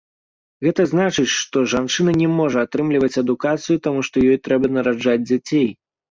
Гэта значыць, што жанчына не можа атрымліваць адукацыю, таму што ёй трэба нараджаць дзяцей.